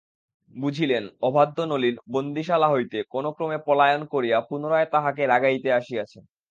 বুঝিলেন, অবাধ্য নলিন বন্দীশালা হইতে কোনোক্রমে পলায়ন করিয়া পুনরায় তাঁহাকে রাগাইতে আসিয়াছে।